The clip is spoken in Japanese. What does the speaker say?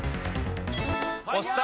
押した。